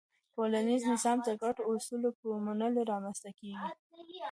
ټولنیز نظم د ګډو اصولو په منلو رامنځته کېږي.